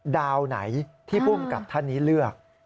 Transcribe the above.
ไหนที่ภูมิกับท่านนี้เลือก